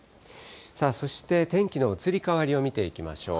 さあ、そして天気の移り変わりを見ていきましょう。